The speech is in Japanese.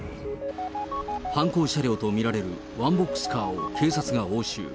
犯行車両と見られるワンボックスカーを警察が押収。